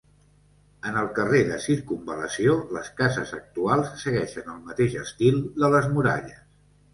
En el carrer de circumval·lació les cases actuals segueixen el mateix estil de les muralles.